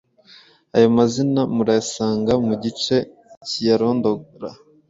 Ayo mazina murayasanga mu gice kiyarondora